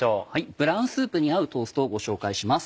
ブラウンスープに合うトーストをご紹介します。